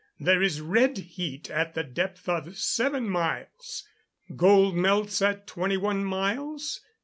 There is red heat at the depth of 7 miles. Gold melts at 21 miles.